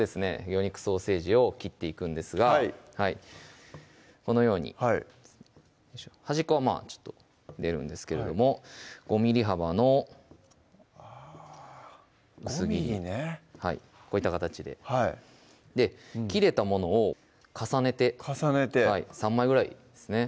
魚肉ソーセージを切っていくんですがこのように端っこは出るんですけれども５ｍｍ幅のあぁ５ｍｍねはいこういった形で切れたものを重ねて重ねて３枚ぐらいですね